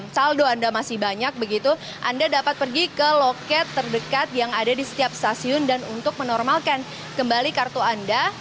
saldo anda masih banyak begitu anda dapat pergi ke loket terdekat yang ada di setiap stasiun dan untuk menormalkan kembali kartu anda